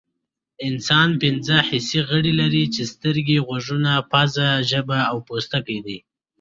انسان پنځه حسي غړي لري چې سترګې غوږونه پوزه ژبه او پوستکی دي